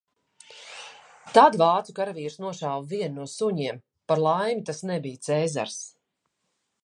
Tad vācu karavīrs nošāva vienu no suņiem, par laimi tas nebija Cezārs.